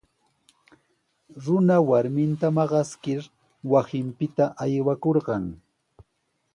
Runa warminta maqaskir wasinpita aywakurqan.